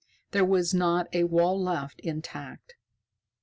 There was not a wall left intact.